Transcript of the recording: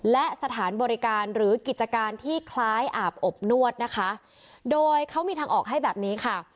และสถานบริการหรือกิจการที่คล้ายอาบอบนวดนะคะโดยเขามีทางออกให้แบบนี้ค่ะ